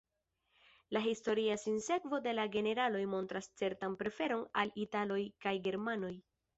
La historia sinsekvo de la generaloj montras certan preferon al italoj kaj germanoj.